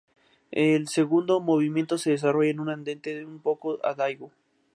El segundo movimiento se desarrolla en un "Andante un poco adagio".